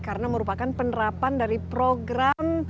karena merupakan penerapan dari program